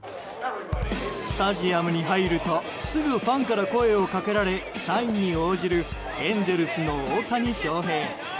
スタジアムに入るとすぐファンから声を掛けられサインに応じるエンゼルスの大谷翔平。